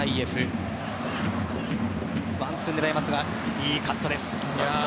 いいカットです、遠藤。